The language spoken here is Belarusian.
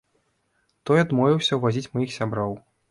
Той адмовіўся вазіць маіх сяброў.